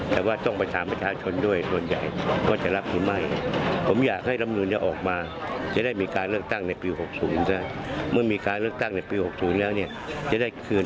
แต่ยังไงขอให้มีการเลือกตั้งออกมาละกัน